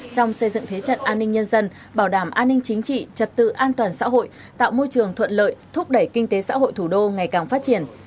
trong xây dựng thế trận an ninh nhân dân bảo đảm an ninh chính trị trật tự an toàn xã hội tạo môi trường thuận lợi thúc đẩy kinh tế xã hội thủ đô ngày càng phát triển